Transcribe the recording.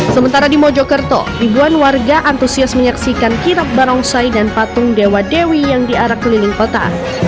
sementara di mojokerto ribuan warga antusias menyaksikan kirap barongsai dan patung dewa dewi yang diarak keliling kota